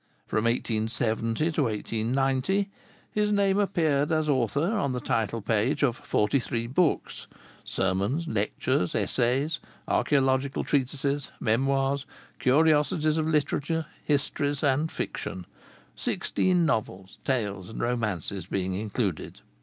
From 1870 to 1890 his name appeared as author on the title page of forty three books: sermons, lectures, essays, archaeological treatises, memoirs, curiosities of literature, histories, and fiction; sixteen novels, tales, and romances being included.